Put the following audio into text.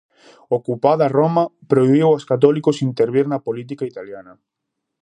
Ocupada Roma, prohibiu aos católicos intervir na política italiana.